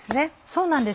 そうなんです。